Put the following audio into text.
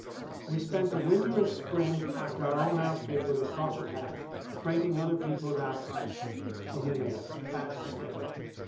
We spent the winter and spring, after our own outfit was across the pass, freighting other people's outfits; and we made a fat stake.